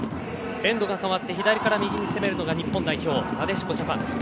エンド変わって左から右に攻めるのが日本代表、なでしこジャパン。